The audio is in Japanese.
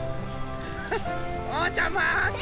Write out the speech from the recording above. おうちゃんまって。